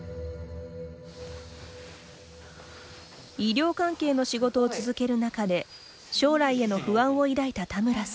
医療関係の仕事を続ける中で将来への不安を抱いた田村さん。